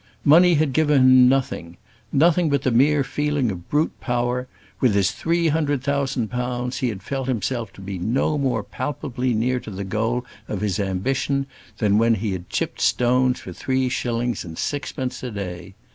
Money had given him nothing, nothing but the mere feeling of brute power: with his three hundred thousand pounds he had felt himself to be no more palpably near to the goal of his ambition than when he had chipped stones for three shillings and sixpence a day.